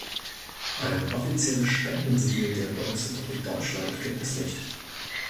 Ein offizielles Spendensiegel der Bundesrepublik Deutschland gibt es nicht.